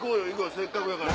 せっかくやから。